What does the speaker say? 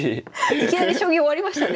いきなり将棋終わりましたね。